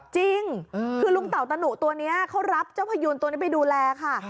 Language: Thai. จริงคือลุงเต่าตะหนุตัวนี้เขารับเจ้าพยูนตัวนี้ไปดูแลค่ะ